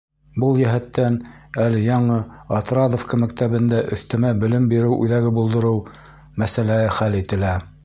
Был йәһәттән әле Яңы Отрадовка мәктәбендә өҫтәмә белем биреү үҙәге булдырыу мәсьәләһе хәл ителә.